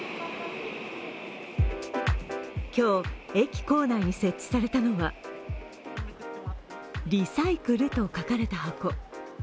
今日、駅構内に設置されたのはリサイクルと書かれた箱。